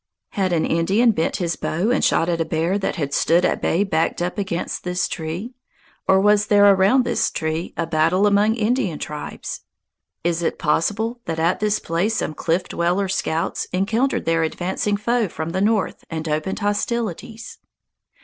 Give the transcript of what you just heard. Had an Indian bent his bow and shot at a bear that had stood at bay backed up against this tree? Or was there around this tree a battle among Indian tribes? Is it possible that at this place some Cliff Dweller scouts encountered their advancing foe from the north and opened hostilities?